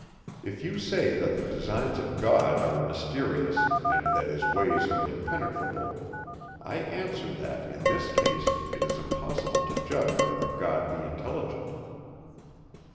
If you say, that the designs of God are mysterious and that his ways are impenetrable; I answer, that, in this case, it is impossible to judge whether God be intelligent.